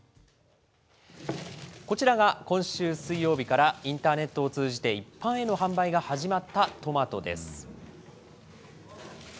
こちらが今週水曜日から、インターネットを通じて一般への販売が始まったトマトです。